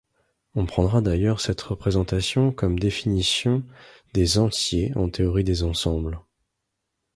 On prendra d'ailleurs cette représentation comme définition des entiers en théorie des ensembles.